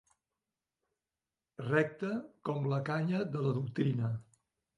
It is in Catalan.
Recte com la canya de la doctrina.